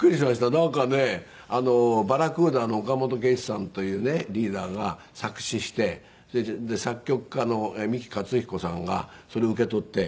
なんかねバラクーダの岡本圭司さんというねリーダーが作詞して作曲家の美樹克彦さんがそれを受け取って。